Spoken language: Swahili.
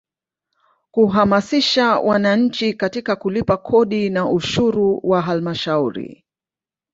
Kuhamasisha wananchi katika kulipa kodi na ushuru wa Halmashauri.